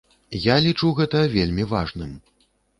Я лічу гэта вельмі важным.